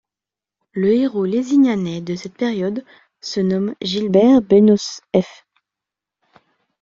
Le héros lézignanais de cette période se nomme Gilbert BenausseF.